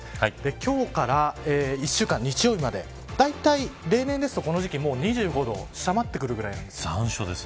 今日から１週間、日曜日までだいたい例年ですと、この時期２５度を下回ってくるくらいなんです。